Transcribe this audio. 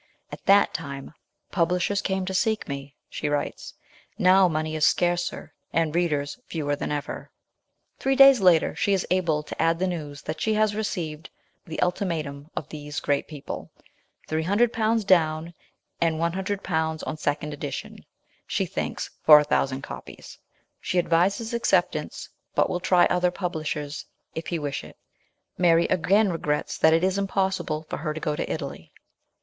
At that time " publishers came to seek me," she writes ;" now money is scarcer and readers fewer than ever." Three days later she is able to add the news that she has received " the ultimatum of these great people/' three hundred pounds down and one hundred pounds on second edition, she thinks, for 1,000 copies. She advises acceptance, but will try other publishers if he wish it. Mary again regrets that it is impossible for her to go to Italy.